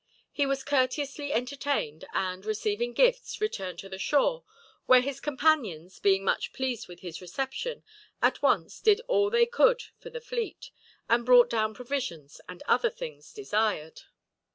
He was courteously entertained and, receiving gifts, returned to the shore; where his companions, being much pleased with his reception, at once did all that they could for the fleet, and brought down provisions and other things desired.